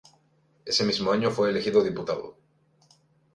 Ese mismo año fue elegido diputado.